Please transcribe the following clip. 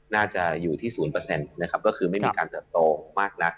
น่าจะอยู่ที่๐นะครับก็คือไม่มีการเติบโตมากนัก